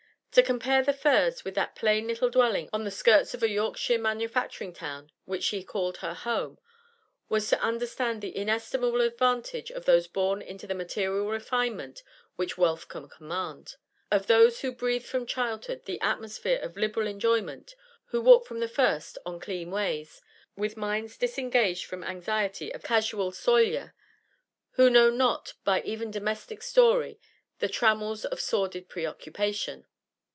To compare The Firs with that plain little dwelling on the skirts of a Yorkshire manufacturing town which she called her home, was to understand the inestimable advantage of those born into the material refinement which wealth can command, of those who breathe from childhood the atmosphere of liberal enjoyment, who walk from the first on clean ways, with minds disengaged from anxiety of casual soilure, who know not even by domestic story the trammels of sordid preoccupation.